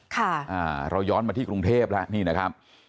ค่ะเราย้อนมาที่กรุงเทพฯนะครับ